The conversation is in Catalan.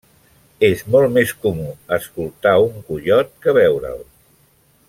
És molt més comú escoltar un coiot que veure'l.